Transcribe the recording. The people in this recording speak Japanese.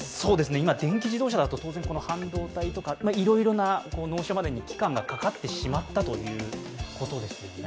今、電気自動車だと、当然半導体とかいろいろな、納車までに期間がかかってしまったということですね。